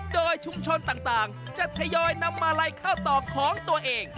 โดยชุมชนต่างจะทยอยนำมาลัยเข้าตอกของตัวเอง